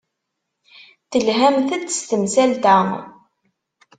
Telhamt-d s temsalt-a.